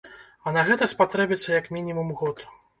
А на гэта спатрэбіцца як мінімум год.